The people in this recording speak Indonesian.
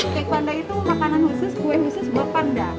cake panda itu makanan khusus kue khusus buah panda